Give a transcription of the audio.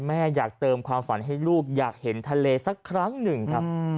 แม่อยากเติมความฝันให้ลูกอยากเห็นทะเลสักครั้งหนึ่งครับ